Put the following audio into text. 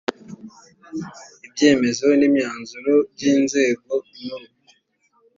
ibyemezo n’imyanzuro by’inzego nkuru